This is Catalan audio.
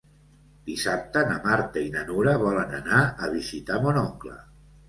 Dissabte na Marta i na Nura volen anar a visitar mon oncle.